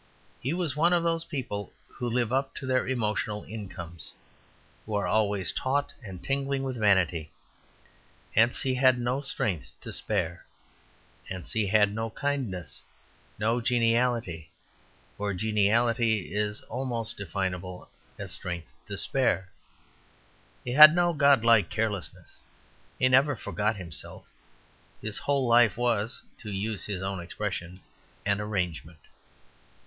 He was one of those people who live up to their emotional incomes, who are always taut and tingling with vanity. Hence he had no strength to spare; hence he had no kindness, no geniality; for geniality is almost definable as strength to spare. He had no god like carelessness; he never forgot himself; his whole life was, to use his own expression, an arrangement.